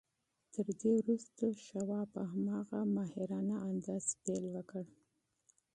تر دې وروسته شواب په هماغه ماهرانه انداز پیل وکړ